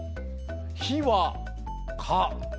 ひはか。